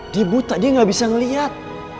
dia buta dia gak bisa ngeliat